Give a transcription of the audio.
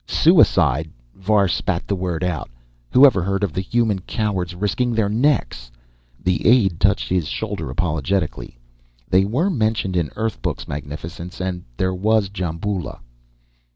"Suicide!" Var spat the word out. "Whoever heard of the human cowards risking their necks?" The aide touched his shoulder apologetically. "They are mentioned in Earth books, magnificence. And there was Djamboula."